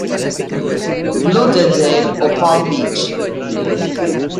Lauderdale o Palm Beach.